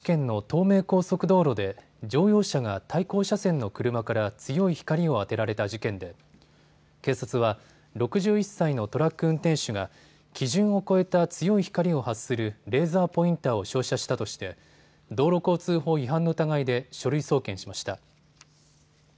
先月、愛知県の東名高速道路で乗用車が対向車線の車から強い光を当てられた事件で警察は６１歳のトラック運転手が基準を超えた強い光を発するレーザーポインターを照射したとして道路交通法違反の疑いで書類送検しました。